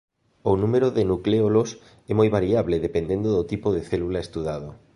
O número de nucléolos é moi variable dependendo do tipo de célula estudado.